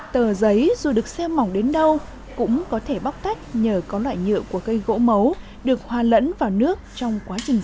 tờ giấy dù được xem mỏng đến đâu cũng có thể bóc tách nhờ có loại nhựa của cây gỗ mấu được hòa lẫn vào nước trong quá trình